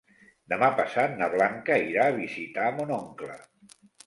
Demà passat na Blanca irà a visitar mon oncle.